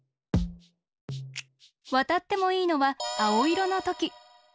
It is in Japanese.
わたってもいいのはあおいろのとき。